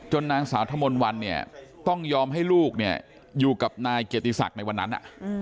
จนนางสาวถมลวัลต้องยอมให้ลูกอยู่กับนายเกียรติศักดิ์ในวันนั้น